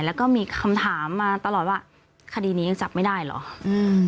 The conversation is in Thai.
แล้วก็มีคำถามมาตลอดว่าคดีนี้ยังจับไม่ได้เหรออืม